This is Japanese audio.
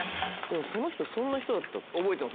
でもその人そんな人だった？